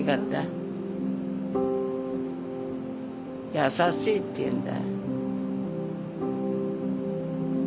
優しいっていうんだ。